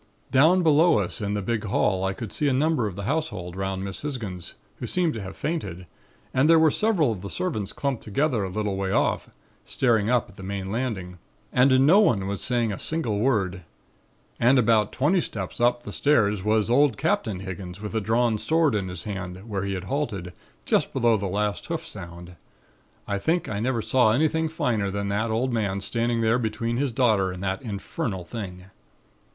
"Down below us in the big hall I could see a number of the household 'round Miss Hisgins, who seemed to have fainted and there were several of the servants clumped together a little way off, staring up at the main landing and no one saying a single word. And about some twenty steps up the stairs was the old Captain Hisgins with a drawn sword in his hand where he had halted, just below the last hoof sound. I think I never saw anything finer than the old man standing there between his daughter and that infernal thing.